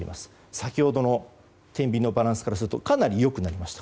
先ほどの天秤のバランスからするとかなり良くなりました。